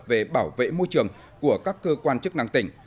về bảo vệ môi trường của các cơ quan chức năng tỉnh